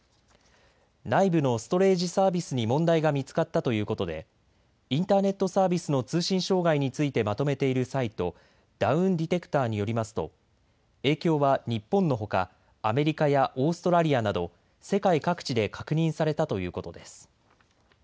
内部のストレージサービスに問題が見つかったということでインターネットサービスの通信障害についてまとめているサイト、ダウンディテクターによりますと影響は日本のほかアメリカやオーストラリアなど世界各地で確認されたということです。